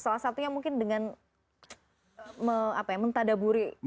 salah satunya dengan mentadaburi al fatihah